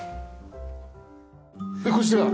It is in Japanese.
でこちら。